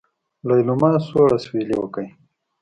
ليلما سوړ اسوېلی وکړ.